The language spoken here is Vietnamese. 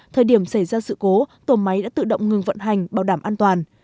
thời điểm xảy ra sự cố tổ máy đã tự động ngừng vận hành bảo đảm an toàn